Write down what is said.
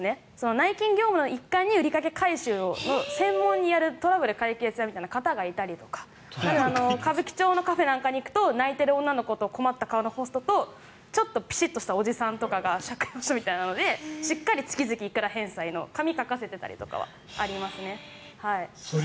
内勤業務の一環に売り掛け回収を専門にやるトラブル解決屋みたいな方がいたり歌舞伎町のカフェなんかに行くと泣いている女の子と困った顔のホストとちょっとぴしっとしたおじさんとかが借用書みたいなのでしっかり月々いくら返済の紙を書かせていたりしますね。